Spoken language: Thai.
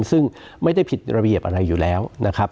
ซึ่งไม่ได้ผิดระเบียบอะไรอยู่แล้วนะครับ